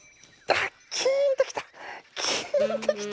キーンときた！